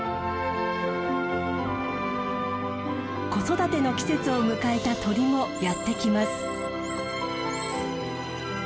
子育ての季節を迎えた鳥もやって来ます。